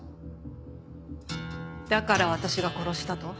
だから私が殺したと？